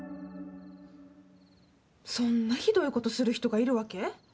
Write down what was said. そんなひどいことする人がいるわけ？